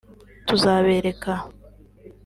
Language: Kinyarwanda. tuzabereka